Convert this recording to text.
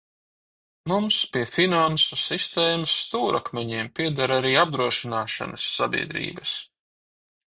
Mums pie finansu sistēmas stūrakmeņiem pieder arī apdrošināšanas sabiedrības.